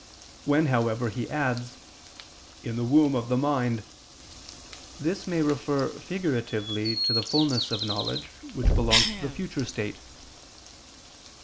When, however, he adds "in the womb of the mind," this may refer figuratively to the fulness of knowledge, which belongs to the future state.